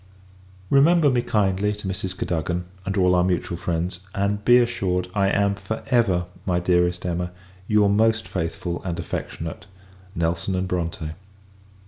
Remember me kindly to Mrs. Cadogan, and all our mutual friends; and be assured, I am, for ever, my dearest Emma, your most faithful and affectionate NELSON & BRONTE.